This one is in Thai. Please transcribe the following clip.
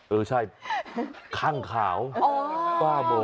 เออใช่ข้างขาวป้าโบ